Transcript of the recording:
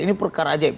ini perkara ajaib